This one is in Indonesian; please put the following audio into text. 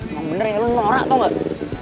emang bener ya lo norak tau gak